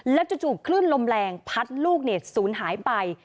แล้วจุดจุดขึ้นลมแรงพัดลูกเนี่ยศูนย์หายไป